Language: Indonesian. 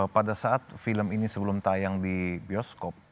pada saat film ini sebelum tayang di bioskop